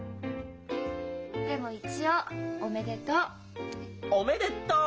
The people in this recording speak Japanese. でも一応おめでとう。